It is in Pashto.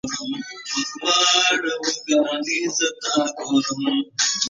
څوک چې کار کوي ژوند یې ښه او سوکاله وي سم ځواب دی.